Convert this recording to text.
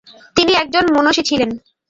তিনি একজন মুনশী ছিলেন ।